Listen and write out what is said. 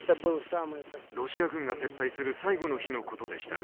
ロシア軍が撤退する最後の日のことでした。